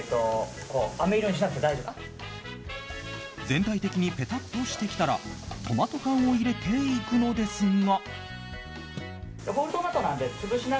全体的にペタッとしてきたらトマト缶を入れていくのですが。